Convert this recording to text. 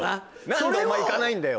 何でお前いかないんだよ